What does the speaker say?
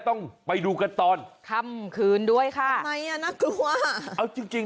ต้องไปดูกันตอนคำคืนด้วยค่ะมันไงน่ากลัวเอาจริง